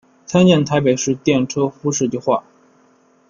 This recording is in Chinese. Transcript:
参见台北市电车敷设计画。